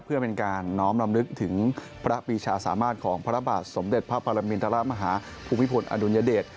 เพื่อเป็นการน้อมลำลึกถึงพระปีชาสามารถของพระบาทสมเด็จพระปรมินทรมาฮาภูมิพลอดุลยเดช